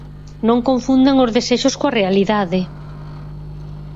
Non confundan os desexos coa realidade.